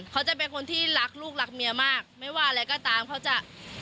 เขาจะเป็นคนที่รักลูกรักเมียมากไม่ว่าอะไรก็ตามเขาจะ